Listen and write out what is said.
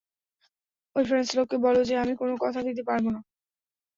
ঐ ফ্রেঞ্চ লোককে বলো যে, আমি কোনো কথা দিতে পারব না।